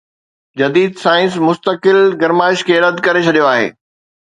جديد سائنس مستقل گرمائش کي رد ڪري ڇڏيو آهي